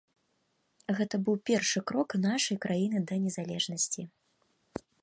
Гэта быў першы крок нашай краіны да незалежнасці.